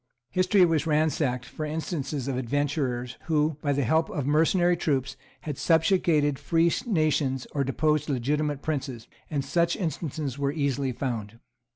History was ransacked for instances of adventurers who, by the help of mercenary troops, had subjugated free nations or deposed legitimate princes; and such instances were easily found.